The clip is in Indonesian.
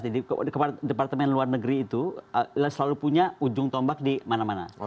jadi ke departemen luar negeri itu selalu punya ujung tombak di mana mana